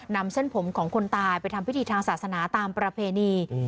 เส้นผมของคนตายไปทำพิธีทางศาสนาตามประเพณี